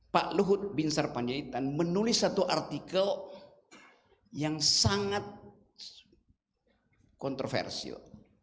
pak luhut bin sarpanjaitan menulis satu artikel yang sangat kontroversial